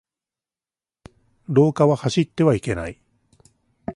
廊下は走ってはいけない。